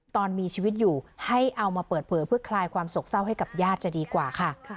ตอนมีชีวิตอยู่ให้เอามาเปิดเผยเพื่อคลายความโศกเศร้าให้กับญาติจะดีกว่าค่ะ